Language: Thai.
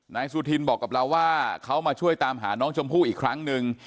นายสุธินบอกกับเราว่าเขามาช่วยตามหาน้องชมพู่อีกครั้งหนึ่ง